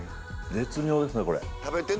絶妙ですねこれ。